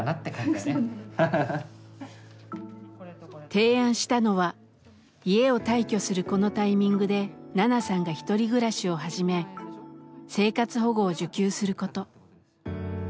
提案したのは家を退去するこのタイミングでナナさんが１人暮らしを始め生活保護を受給すること。